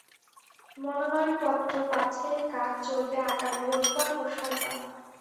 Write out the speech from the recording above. মনোনয়নপত্র বাছাইয়ের কাজ চলবে আগামী রোববার ও সোমবার।